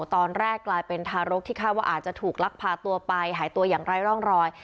กลายเป็นทารกที่คาดว่าอาจจะถูกลักพาตัวไปหายตัวอย่างไร้ร่องรอย